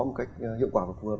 một cách hiệu quả và phù hợp